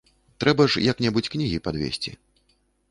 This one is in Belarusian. Трэба ж як-небудзь кнігі падвесці.